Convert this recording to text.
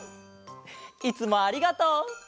いつもありがとう。